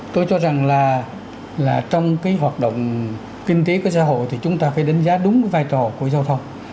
tôi cho rằng là trong cái hoạt động kinh tế của xã hội thì chúng ta phải đánh giá đúng cái vai trò của giao thông